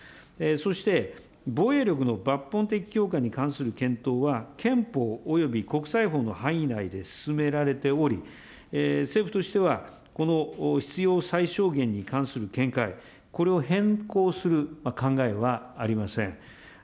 そして、防衛力の抜本的強化に関する検討は憲法および国際法の範囲内で進められており、政府としては、必要最小限に関する見解、これを変更する考えはありません。